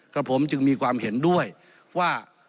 กับผมจึงมีความเห็นด้วยว่า